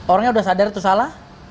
orangnya udah sadar itu salah